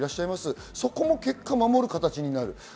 そこの結果、守る形になる。